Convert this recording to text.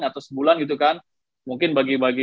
atau sebulan gitu kan mungkin bagi bagi